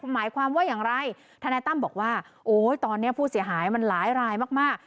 หมายความว่าอย่างไรทนายตั้มบอกว่าโอ้ยตอนนี้ผู้เสียหายมันหลายรายมาก